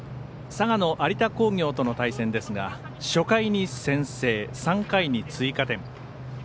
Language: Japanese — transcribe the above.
佐賀の有田工業との対戦ですが初回に先制、３回に追加点。